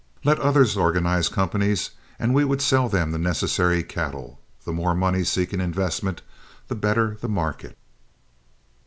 Let others organize companies and we would sell them the necessary cattle; the more money seeking investment the better the market.